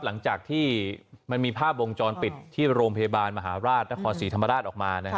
หลังจากที่มันมีภาพวงจรปิดที่โรงพยาบาลมหาราชนครศรีธรรมราชออกมา